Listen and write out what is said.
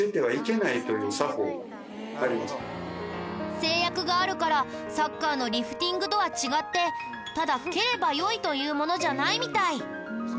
制約があるからサッカーのリフティングとは違ってただ蹴ればよいというものじゃないみたい。